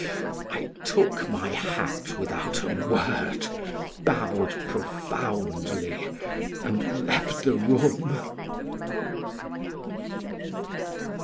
I took my hat without a word, bowed profoundly and left the room.